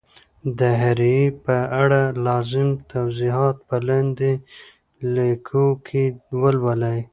د هري ي په اړه لازم توضیحات په لاندي لیکو کي ولولئ